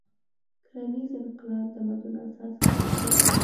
کرنیز انقلاب د تمدن اساس کېښود.